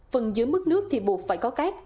phần dưới mức nước thì buộc phải có cát